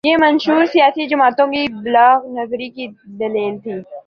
یہ منشور سیاسی جماعتوں کی بالغ نظری کی دلیل تھے۔